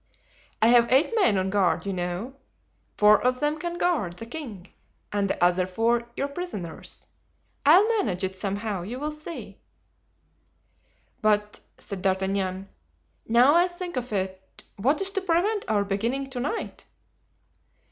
"I have eight men on guard, you know. Four of them can guard the king and the other four your prisoners. I'll manage it somehow, you will see." "But," said D'Artagnan, "now I think of it—what is to prevent our beginning to night?"